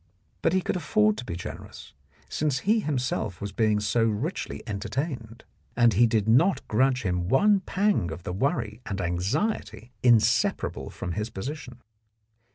But he could afford to be generous, since he himself was being so richly entertained, and he did not grudge him one pang of the worry and anxiety inseparable from his position.